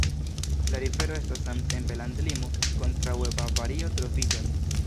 La rivero estas samtempe landlimo, kontraŭe Bavario troviĝas.